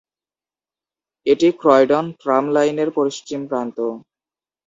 এটি Croydon tram লাইনের পশ্চিম প্রান্ত।